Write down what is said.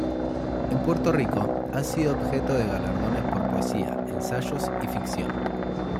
En Puerto Rico, ha sido objeto de galardones por poesía, ensayos, y ficción.